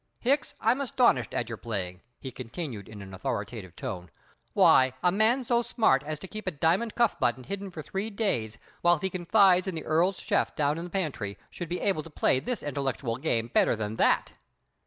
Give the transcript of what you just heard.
"Hicks, I'm astonished at your playing," he continued in an authoritative tone; "why, a man so smart as to keep a diamond cuff button hidden for three days while he confides in the Earl's chef down in the pantry should be able to play this intellectual game better than that!"